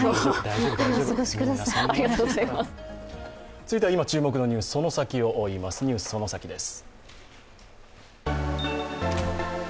続いては今注目のニュース、そのサキを追います、「ＮＥＷＳそのサキ！」です。